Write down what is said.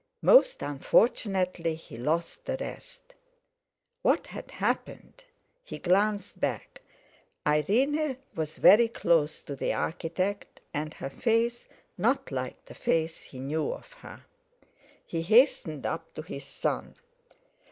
Most unfortunately he lost the rest. What had happened? He glanced back. Irene was very close to the architect, and her face not like the face he knew of her. He hastened up to his son.